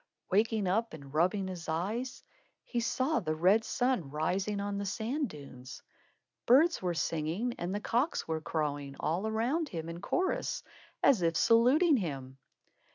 Waking up and rubbing his eyes, he saw the red sun rising on the sand dunes. Birds were singing and the cocks were crowing all around him, in chorus, as if saluting him.